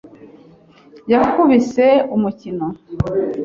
Yakubise umukino.